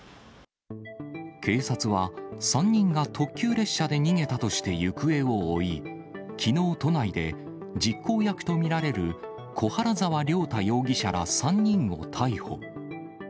警察は、３人が特急列車で逃げたとして行方を追い、きのう、都内で実行役と見られる小原沢亮太容疑者ら３人を逮捕。